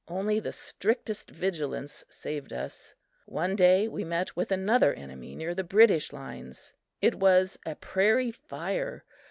Only the strictest vigilance saved us. One day we met with another enemy near the British lines. It was a prairie fire.